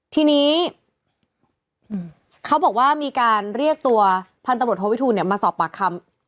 ทีนี้เขาบอกว่ามีการเรียกตัวพันตำรวจโทวิทูลมาสอบปากคำ